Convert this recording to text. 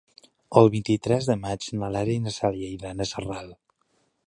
El vint-i-tres de maig na Lara i na Cèlia iran a Sarral.